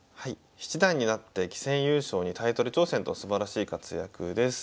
七段になって棋戦優勝にタイトル挑戦とすばらしい活躍です。